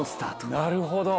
なるほど！